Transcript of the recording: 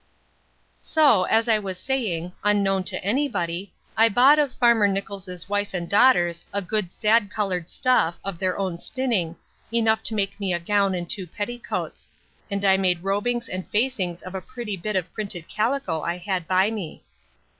So, as I was saying, unknown to any body, I bought of farmer Nichols's wife and daughters a good sad coloured stuff, of their own spinning, enough to make me a gown and two petticoats; and I made robings and facings of a pretty bit of printed calico I had by me.